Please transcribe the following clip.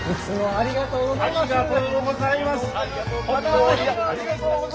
ありがとうございます。